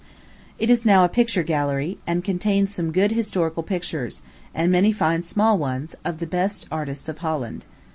It is now a picture gallery, and contains some good historical pictures, and many fine small ones, of the best artists of Holland.